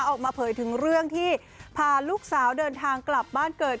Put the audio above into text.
ออกมาเผยถึงเรื่องที่พาลูกสาวเดินทางกลับบ้านเกิด